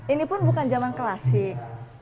ini pun bukan zaman klasik